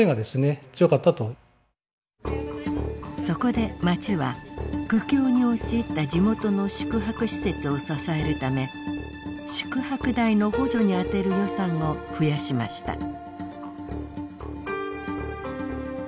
そこで町は苦境に陥った地元の宿泊施設を支えるため宿泊代の補助にあてる予算を増やしました。